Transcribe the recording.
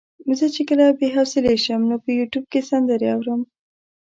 زه چې کله بې حوصلې شم نو په يوټيوب کې سندرې اورم.